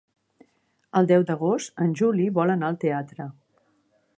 El deu d'agost en Juli vol anar al teatre.